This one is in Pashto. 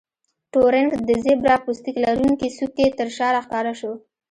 ټورینګ د زیبرا پوستکي لرونکې څوکۍ ترشا راښکاره شو